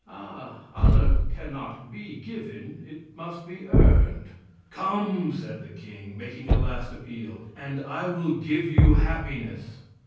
"Ah! honor cannot be given; it must be earned." "Come," said the king, making a last appeal, "and I will give you happiness."